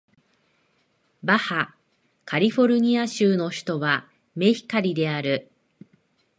バハ・カリフォルニア州の州都はメヒカリである